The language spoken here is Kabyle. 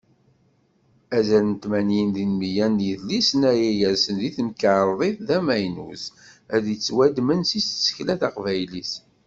Azal n tmanyin deg meyya n yidlisen ara yersen di temkarḍit tamaynut, ad d-ttwaddmen seg tsekla taqbaylit.